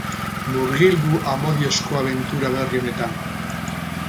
Murgildu amodiozko abentura berri honetan!